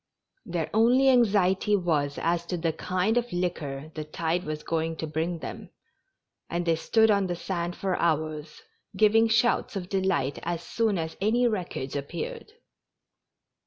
Their only anxiety was as to the kind of liquor the tide was going to bring them, and they stood on the sand for hours, giving shouts of delight as soon as any wreckage appeared.